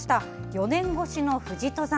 ４年越しの富士登山。